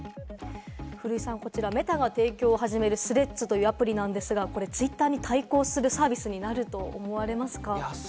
古井さん、こちらＭｅｔａが提供を始めるスレッズというアプリなんですが、これ、ツイッターに対抗するサービスになると思われますか？